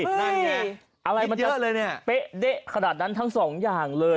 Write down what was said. เฮ้ยอะไรมันเยอะเลยเนี่ยเป๊ะเด๊ะขนาดนั้นทั้งสองอย่างเลย